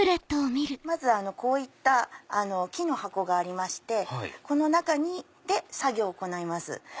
まずこういった木の箱がありましてこの中で作業を行います。